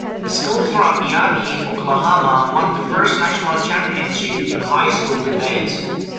A school from Miami, Oklahoma, won the first national championship in high school debate.